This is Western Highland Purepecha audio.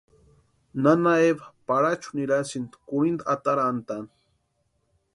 Nana Eva Parachu nirasïnti kurhinta atarantani.